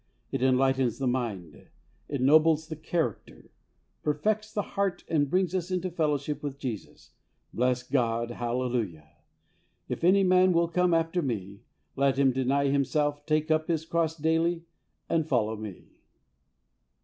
It enlightens the mind, ennobles the character, perfects the heart and brings us into fellowship with Jesus. Bless God ! Hallelujah !" If any man will come after Me, let him deny himself, take up his cross daily and follow Me.